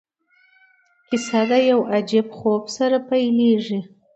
کیسه د یو عجیب خوب سره پیلیږي.